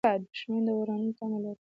دښمن د ورانولو تمه لري